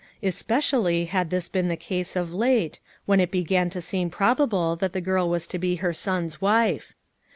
Especially had this been the case of late, when it began to seem probable that the girl was to be her son's wife.